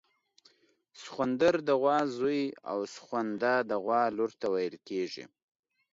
سخوندر د غوا زوی او سخونده د غوا لور ته ویل کیږي